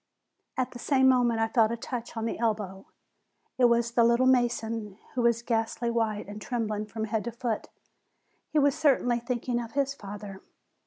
At the same moment I felt a touch on the elbow; it was the "little mason," who was ghastly white and trembling from head to foot. He was certainly think ing of his father.